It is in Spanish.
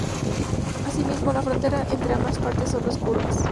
Así mismo, la frontera entre ambas partes son dos curvas.